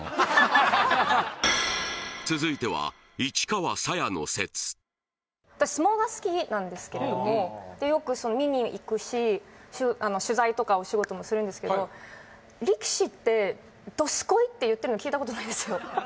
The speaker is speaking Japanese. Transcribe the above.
続いては私相撲が好きなんですけれどもよく見に行くし取材とかお仕事もするんですけど力士ってどすこいって言ってるの聞いたことないんですよ